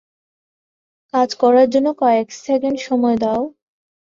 কাজ করার জন্য কয়েক সেকেন্ড সময় দাও।